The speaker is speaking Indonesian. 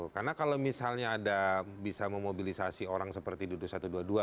karena kalau misalnya ada bisa memobilisasi orang seperti dudu satu ratus dua puluh dua